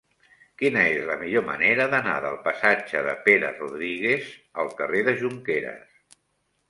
Quina és la millor manera d'anar del passatge de Pere Rodríguez al carrer de Jonqueres?